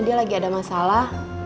dia lagi ada masalah